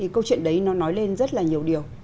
câu chuyện đấy nó nói lên rất là nhiều điều